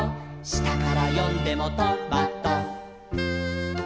「したからよんでもト・マ・ト」